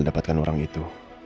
dapatkan orang itu